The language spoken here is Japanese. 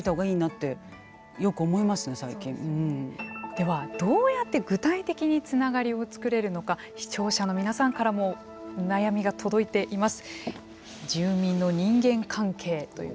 ではどうやって具体的につながりを作れるのか視聴者の皆さんからも悩みが届いています。